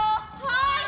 はい！